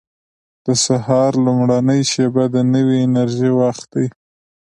• د سهار لومړۍ شېبه د نوې انرژۍ وخت دی.